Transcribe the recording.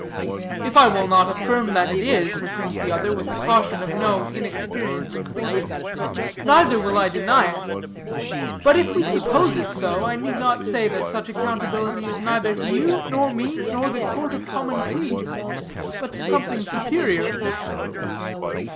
"If I will not affirm that it is," returned the other, with the caution of no inexperienced thinker, "neither will I deny it. But if we suppose it so, I need not say that such accountability is neither to you, nor me, nor the Court of Common Pleas, but to something superior."